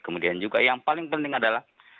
kemudian juga yang paling penting adalah